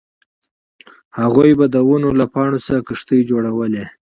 هغوی به د ونو له پاڼو څخه کښتۍ جوړولې